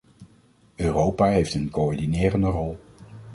Europa heeft een coördinerende rol.